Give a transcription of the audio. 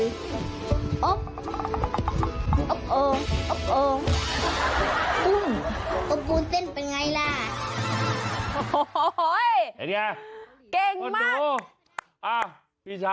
อย่างตบปูนเต้นเป็นอย่างไรล่ะ